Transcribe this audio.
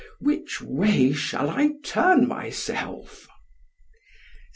—which way shall I turn myself?